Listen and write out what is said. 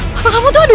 papa kamu tuh aduh